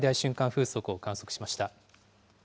風速を観測しました。